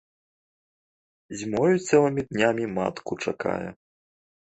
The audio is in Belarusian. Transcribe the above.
Зімою цэлымі днямі матку чакае.